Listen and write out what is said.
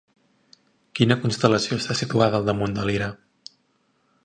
Quina constel·lació està situada al damunt de Lira?